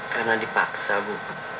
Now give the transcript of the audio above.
karena dipaksa bu